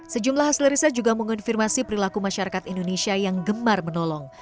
sejumlah hasil riset juga mengonfirmasi perilaku masyarakat indonesia yang gemar menolong